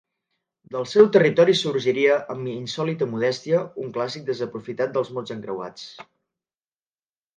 Del seu territori sorgiria amb insòlita modèstia un clàssic desaprofitat dels mots encreuats.